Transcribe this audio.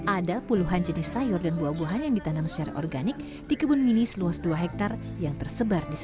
ada puluhan jenis sayur dan buah buahan yang ditanam secara organik di kebun mini seluas dua hektare yang tersebar di sini